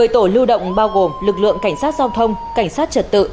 một mươi tổ lưu động bao gồm lực lượng cảnh sát giao thông cảnh sát trật tự